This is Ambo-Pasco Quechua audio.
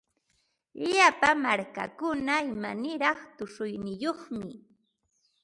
Llapa markakuna imaniraq tushuyniyuqmi.